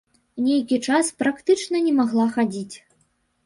Нейкі час практычна не магла хадзіць.